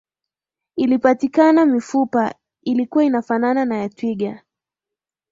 ilipatikana mifupa ilikuwa inafanana na twiga